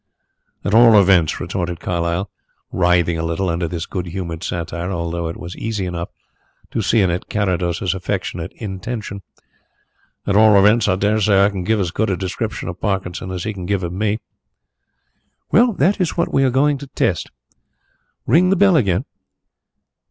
"At all events," retorted Carlyle, writhing a little under this good humoured satire, although it was easy enough to see in it Carrados's affectionate intention "at all events, I dare say I can give as good a description of Parkinson as he can give of me." "That is what we are going to test. Ring the bell again."